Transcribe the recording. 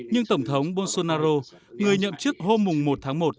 nhưng tổng thống bolsonaro người nhậm chức hôm một tháng một